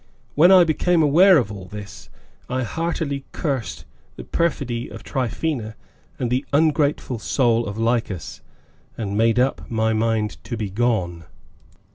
When I became aware of all this, I heartily cursed the perfidy of Tryphaena and the ungrateful soul of Lycas, and made up my mind to be gone.